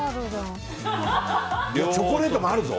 チョコレートもあるぞ。